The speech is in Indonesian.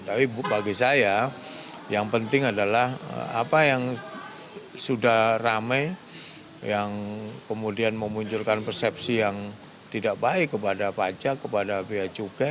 tapi bagi saya yang penting adalah apa yang sudah ramai yang kemudian memunculkan persepsi yang tidak baik kepada pajak kepada biaya cukai